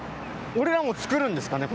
俺らも作るんですかね？